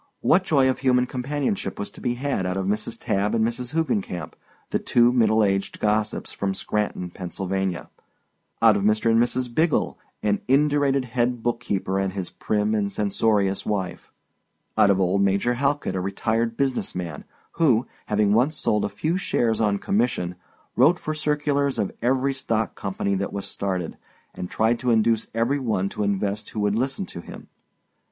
What joy of human companionship was to be had out of Mrs. Tabb and Miss Hoogencamp, the two middle aged gossips from Scranton, Pa.—out of Mr. and Mrs. Biggle, an indurated head bookkeeper and his prim and censorious wife—out of old Major Halkit, a retired business man, who, having once sold a few shares on commission, wrote for circulars of every stock company that was started, and tried to induce every one to invest who would listen to him?